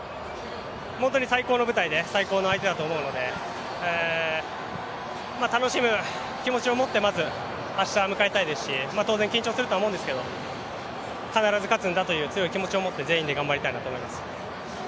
本当に最高の舞台で最高の相手だと思うので、楽しむ気持ちを持ってまず明日迎えたいですし当然、緊張すると思うんですけど必ず勝つんだっていう強い気持ちを持って全員で頑張りたいと思います。